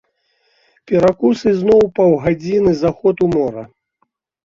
Перакус і зноў паўгадзінны заход у мора.